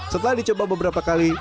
setelah dicoba beberapa kali